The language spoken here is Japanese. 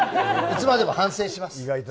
いつまでも反省します。